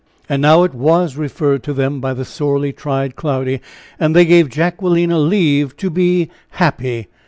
And now it was referred to them, by the sorely tried Cloudy. And they gave Jacquelina leave to be "happy."